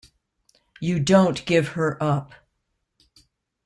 You don't give her up.